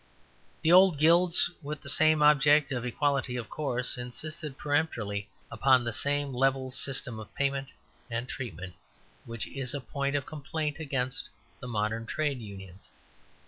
The old Guilds, with the same object of equality, of course, insisted peremptorily upon the same level system of payment and treatment which is a point of complaint against the modern Trades Unions.